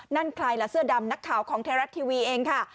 นั่นใครล่ะเสื้อดำนักข่าวของไทยรัฐทีวีเองค่ะ